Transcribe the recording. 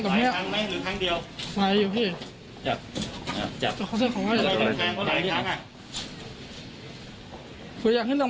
ของเจ้าตายไปเลยพี่ไหนรู้หว่า